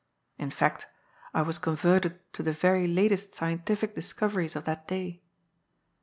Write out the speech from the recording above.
In fact, I was converted to the very latest scientific discoveries of that day.